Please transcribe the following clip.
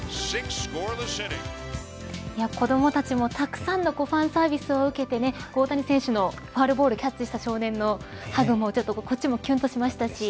子どもたちもたくさんのファンサービスを受けて大谷選手のファウルボールをキャッチした少年のハグもこっちもキュンとしましたし